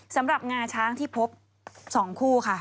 สำหรับงาช้างที่พบสองคู่ค่ะ